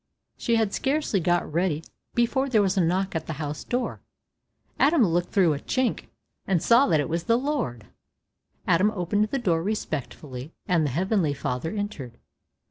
She had scarcely got ready, before there was a knock at the house door. Adam looked through a chink, and saw that it was the Lord. Adam opened the door respectfully, and the Heavenly Father entered.